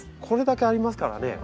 これだけありますからね。